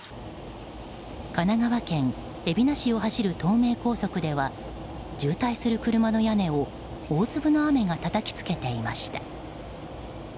神奈川県海老名市を走る東名高速では渋滞する車の屋根を大粒の雨がたたきつけていました。